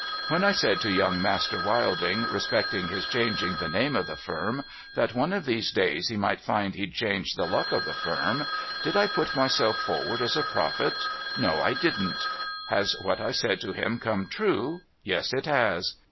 When I said to Young Master Wilding, respecting his changing the name of the firm, that one of these days he might find he'd changed the luck of the firm — did I put myself forward as a prophet ? No, I didn't. Has what I said to him come true ? Yes, it has.